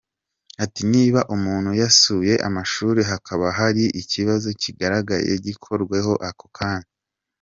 Ati “Niba umuntu yasuye amashuri hakaba hari ikibazo kigaragaye gikorweho ako kanya.